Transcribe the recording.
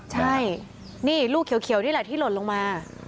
ใช่นี่ลูกเขียวนี่แหละที่หล่นลงมา